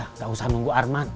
nggak usah nunggu arman